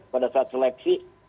pada saat seleksi